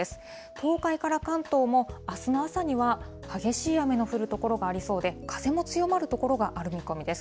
東海から関東も、あすの朝には激しい雨の降る所がありそうで、風も強まる所がある見込みです。